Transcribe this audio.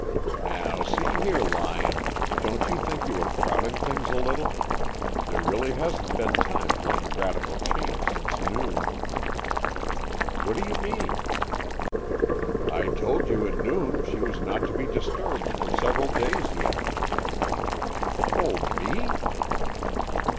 "Now see here, Lyon, don't you think you are crowding things a little? There really hasn't been time for any radical change since noon." "What do you mean?" "I told you at noon that she was not to be disturbed for several days yet." "Told _me?